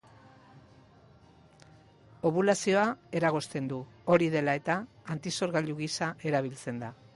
Obulazioa eragozten du; hori dela eta, antisorgailu gisa erabiltzen da.